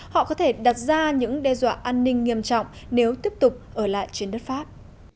họ có thể đặt ra những đe dọa an ninh nghiêm trọng nếu tiếp tục ở lại trên đất pháp